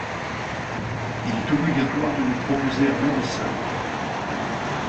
Il est obligatoire de lui proposer un médecin.